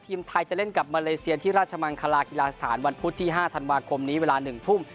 ทีมไทยจะเล่นกับมาเลเซียที่ราชมังคลากีฬาสถานวันพุธที่๕ธันวาคมนี้เวลา๑ทุ่ม